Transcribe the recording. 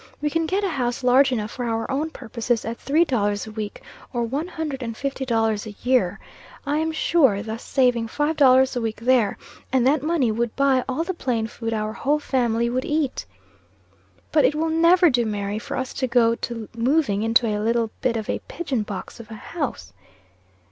We can get a house large enough for our own purposes at three dollars a week, or one hundred and fifty dollars a year, I am sure, thus saving five dollars a week there, and that money would buy all the plain food our whole family would eat." "But it will never do, Mary, for us to go to moving into a little bit of a pigeon box of a house."